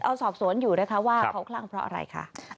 สอบสวนอยู่นะคะว่าเขาคลั่งเพราะอะไรคะ